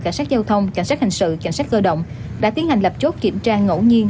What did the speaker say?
cảnh sát giao thông cảnh sát hình sự cảnh sát cơ động đã tiến hành lập chốt kiểm tra ngẫu nhiên